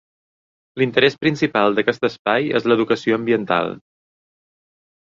L'interès principal d'aquest espai és l'educació ambiental.